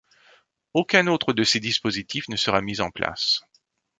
Aucun autre de ces dispositifs ne sera mis en place.